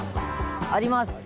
あります！